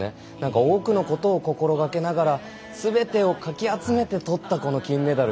多くのことを心がけながらすべてをかき集めて取ったこの金メダル。